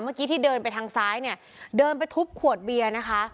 เมื่อกี้ที่เดินไปทางซ้ายเนี่ยเดินไปทุบขวดเบียร์นะคะ